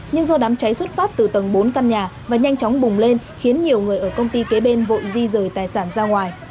nhưng do đám cháy xuất phát từ tầng bốn căn nhà và nhanh chóng bùng lên khiến nhiều người ở công ty kế bên vội di rời tài sản ra ngoài